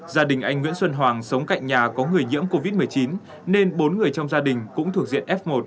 gia đình anh nguyễn xuân hoàng sống cạnh nhà có người nhiễm covid một mươi chín nên bốn người trong gia đình cũng thuộc diện f một